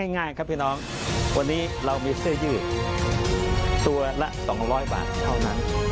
ง่ายครับพี่น้องวันนี้เรามีเสื้อยืดตัวละ๒๐๐บาทเท่านั้น